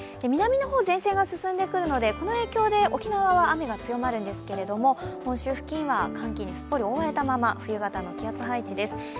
南の方、前線が進んでくるのでこの影響で沖縄は雨が強まるんですけれども、本州付近は寒気にすっぽり覆われたまま、冬型の気圧配置です。